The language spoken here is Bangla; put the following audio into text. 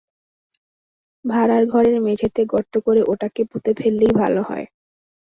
ভাঁড়ার ঘরের মেঝেতে গর্ত করে ওটাকে পুঁতে ফেললেই ভালো হয়।